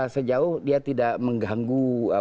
sejauh dia tidak mengganggu